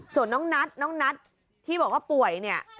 ส่วนน้องนัทน้องนัทที่บอกว่าป่วยเนี่ย